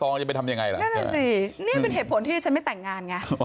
นั่นนี่เป็นเหตุผลที่ฉันไม่แต่งงานไง